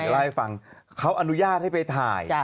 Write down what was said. ได้ฟังเขาอนุญาตให้ไปถ่าย